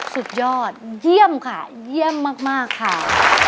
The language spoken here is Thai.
สุดยอดเยี่ยมค่ะเยี่ยมมากค่ะ